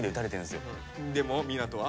でも奏は？